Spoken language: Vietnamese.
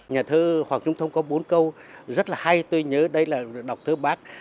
nhà thơ hoàng trung thông có bốn câu rất là hay tôi nhớ đây là đọc thơ bác